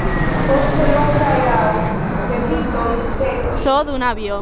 Poste longa erao de britoj sekvis.